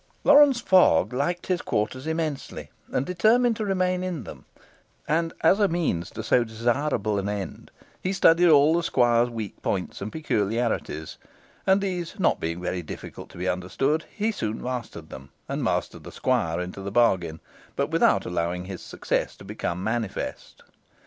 Lawrence Fogg liked his quarters immensely, and determined to remain in them; and as a means to so desirable an end, he studied all the squire's weak points and peculiarities, and these not being very difficult to be understood, he soon mastered them, and mastered the squire into the bargain, but without allowing his success to become manifest.